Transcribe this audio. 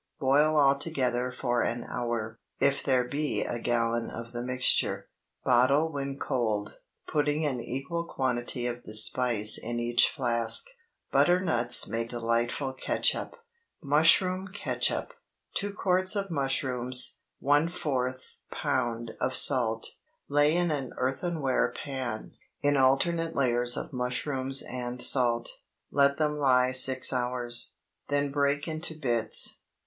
Boil all together for an hour, if there be a gallon of the mixture. Bottle when cold, putting an equal quantity of the spice in each flask. Butternuts make delightful catsup. MUSHROOM CATSUP. 2 quarts of mushrooms. ¼ lb. of salt. Lay in an earthenware pan, in alternate layers of mushrooms and salt; let them lie six hours, then break into bits.